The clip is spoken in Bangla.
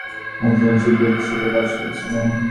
তিনি আদপাবাজার ও ইজমিটে একজন চিকিৎসক হিসাবে কাজ করেছিলেন।